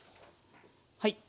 はい。